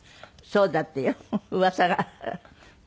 そうだって。